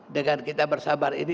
dengan kita bersabar ini